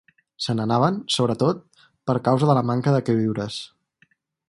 Se n'anaven, sobretot, per causa de la manca de queviures